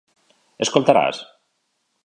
Escoltaràs?